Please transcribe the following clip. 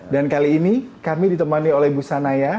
dan kali ini kami ditemani oleh ibu shania ya